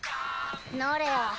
ノレア。